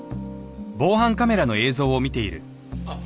あっ